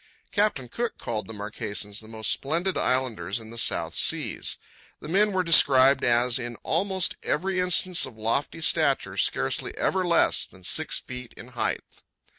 Captain Cook called the Marquesans the most splendid islanders in the South Seas. The men were described, as "in almost every instance of lofty stature, scarcely ever less than six feet in height."